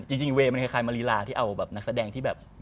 จริงเวย์มันคล้ายมาลีลาที่เอาแบบนักแสดงที่แบบ